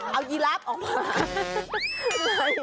เอายีลาฟออกมา